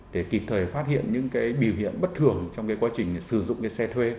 để kịp thời phát hiện những biểu hiện bất thường trong quá trình sử dụng xe thuê